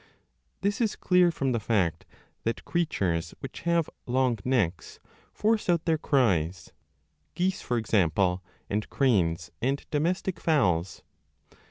This is clear from the fact that creatures which have long necks force out their cries geese, for example, and cranes and domestic fowls.